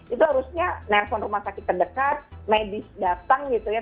itu harusnya nelfon rumah sakit terdekat medis datang gitu ya